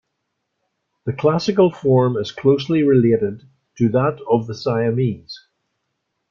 The classical form is closely related to that of the Siamese.